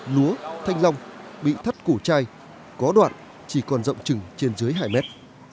lúa thanh long bị thắt cổ chai có đoạn chỉ còn rộng trừng trên dưới hải mét